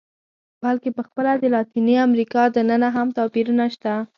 بلکې په خپله د لاتینې امریکا دننه هم توپیرونه شته.